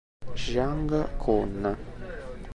Jiang Kun